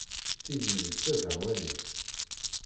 Tiziri d tazehwanit.